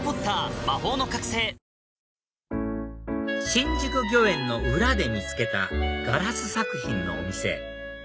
新宿御苑の裏で見つけたガラス作品のお店